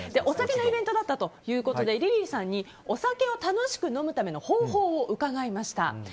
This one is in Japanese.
お酒のイベントだったということでリリーさんにお酒を楽しく飲むための方法を伺いました。